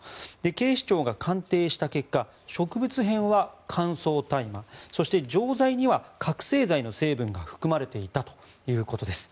警視庁が鑑定した結果植物片は乾燥大麻そして錠剤には覚醒剤の成分が含まれていたということです。